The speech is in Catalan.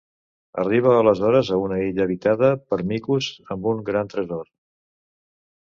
Arriba aleshores a una illa habitada per micos amb un gran tresor.